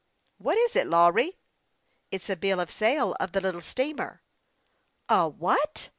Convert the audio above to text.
"What is it, Lawry?" " It is a bill of sale of the little steamer." " A what